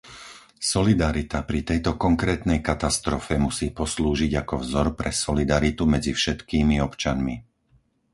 Solidarita pri tejto konkrétnej katastrofe musí poslúžiť ako vzor pre solidaritu medzi všetkými občanmi.